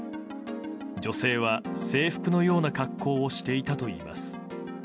女性は制服のような格好をしていたといいます。